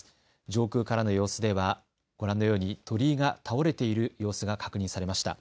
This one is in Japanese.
上空からの様子ではご覧のように鳥居が倒れている様子が確認されました。